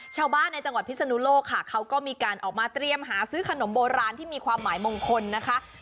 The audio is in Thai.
ชาวบ้านในจังหวัดพิศนุโลกค่ะเขาก็มีการออกมาเตรียมหาซื้อขนมโบราณที่มีความหมายมงคลนะคะ